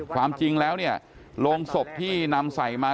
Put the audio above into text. ความจริงแล้วเนี่ยโรงศพที่นำใส่มา